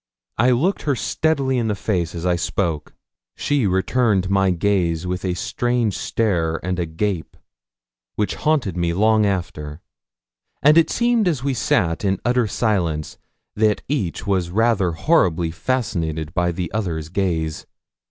I looked her steadily in the face as I spoke. She returned my gaze with a strange stare and a gape, which haunted me long after; and it seemed as we sat in utter silence that each was rather horribly fascinated by the other's gaze.